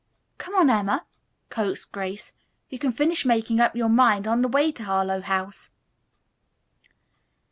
"Come on, Emma," coaxed Grace. "You can finish making up your mind on the way to Harlowe House."